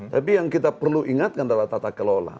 tapi yang kita perlu ingatkan adalah tata kelola